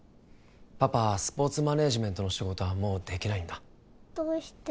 パパはスポーツマネージメントの仕事はもうできないんだどうして？